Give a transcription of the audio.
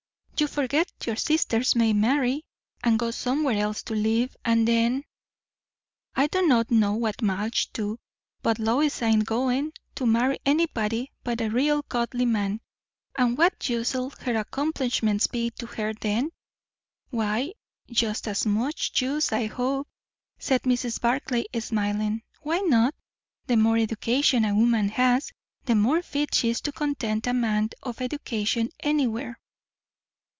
"You forget, your sisters may marry, and go somewhere else to live; and then" "I don't know what Madge'll do; but Lois ain't goin' to marry anybody but a real godly man, and what use'll her accomplishments be to her then?" "Why, just as much use, I hope," said Mrs. Barclay, smiling. "Why not? The more education a woman has, the more fit she is to content a man of education, anywhere."